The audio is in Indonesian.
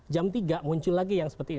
jam tiga muncul lagi yang seperti ini